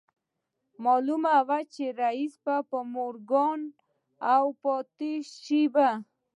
معلومه وه چې رييس به مورګان و او پاتې به شي